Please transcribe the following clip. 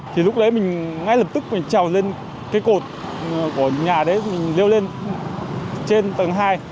thì lúc đấy mình ngay lập tức mình trèo lên cái cột của nhà đấy mình leo lên trên tầng hai